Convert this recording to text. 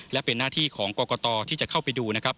และเป็นหน้าที่ของกรกตที่จะเข้าไปดูนะครับ